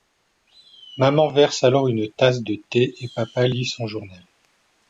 Maman verse alors une tasse de thé et papa lit son journal.